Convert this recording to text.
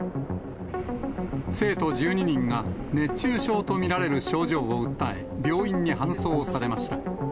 生徒１２人が、熱中症と見られる症状を訴え、病院に搬送されました。